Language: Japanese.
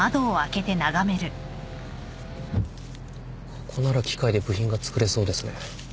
ここなら機械で部品が作れそうですね。